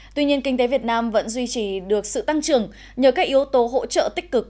tuy nhiên kinh tế việt nam vẫn duy trì được sự tăng trưởng nhờ các yếu tố hỗ trợ tích cực